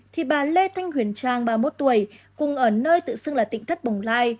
thì bà lê thanh huyền trang ba mươi một tuổi cùng ở nơi tự xưng là tỉnh thất bồng lai